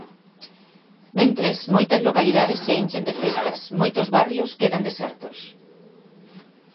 Mentres, moitas localidades se enchen de festas, moitos barrios quedan desertos.